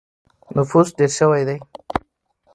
نفوس ډېر شوی دی.